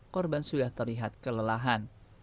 korban sudah terlihat kelelahan